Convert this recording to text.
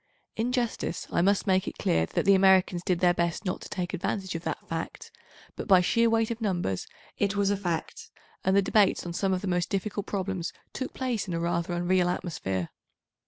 In justice I must make it clear that the Americans did their best not to take advantage of that fact, but by sheer weight of numbers it was a fact, and the debates on some of the most difficult problems took place in a rather unreal atmosphere.